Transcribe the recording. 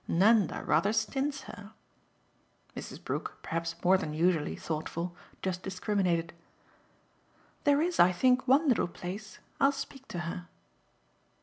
Nanda rather stints her." Mrs. Brook, perhaps more than usually thoughtful, just discriminated. "There IS, I think, one little place. I'll speak to her."